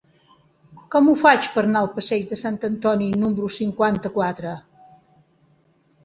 Com ho faig per anar al passeig de Sant Antoni número cinquanta-quatre?